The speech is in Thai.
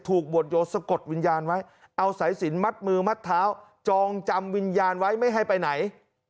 บวชโยสะกดวิญญาณไว้เอาสายสินมัดมือมัดเท้าจองจำวิญญาณไว้ไม่ให้ไปไหน